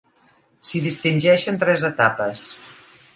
S'hi distingeixen tres etapes.